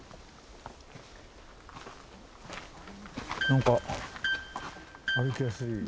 何か歩きやすい。